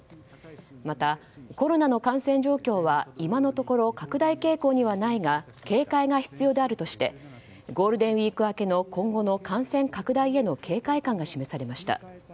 またコロナの感染状況は今のところ拡大傾向にはないが警戒が必要であるとしてゴールデンウィーク明けの今後の感染拡大への警戒感が示されました。